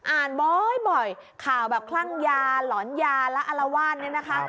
อ่านบ่อยข่าวแบบคลั่งยาหลอนยาและอารวาสเนี่ยนะคะ